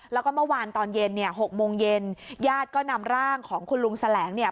แล้วก็เมื่อวานตอนเย็นเนี่ย๖โมงเย็นญาติก็นำร่างของคุณลุงแสลงเนี่ย